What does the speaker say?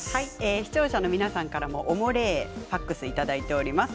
視聴者の皆さんからもおもれえファックスをいただいています。